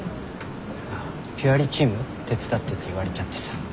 あっ「ＰｕｒｅＲＥ」チーム手伝ってって言われちゃってさ。